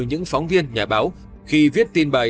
những phóng viên nhà báo khi viết tin bài